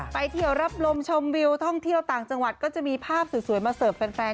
ไปเที่ยวรับลมชมวิวท่องเที่ยวต่างจังหวัดก็จะมีภาพสวยมาเสิร์ฟแฟน